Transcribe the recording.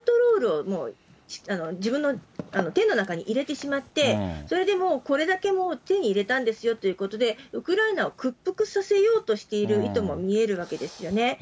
これはやはりコントロールを自分の手の中に入れてしまって、それでもうこれだけ手に入れたんですよということで、ウクライナを屈服させようとしている意図も見えるわけですよね。